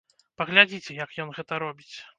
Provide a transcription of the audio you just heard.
Паглядзіце, як ён гэта робіць!